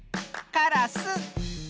カラス。